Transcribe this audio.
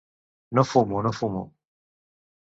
No fumo no fumo.